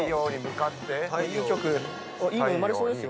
いいの生まれそうですよ。